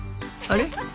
あれ？